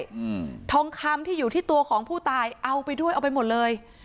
อืมทองคำที่อยู่ที่ตัวของผู้ตายเอาไปด้วยเอาไปหมดเลย